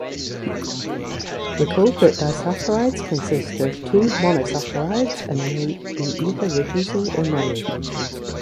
Recall that disaccharides consist of two monosaccharides and may be either reducing or nonreducing.